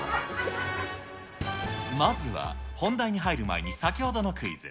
まずは本題に入る前に先ほどのクイズ。